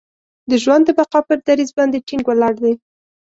د ژوند د بقا پر دریځ باندې ټینګ ولاړ دی.